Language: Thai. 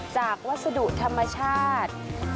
จากวัสดุธรรมชาตินิวเอ็ง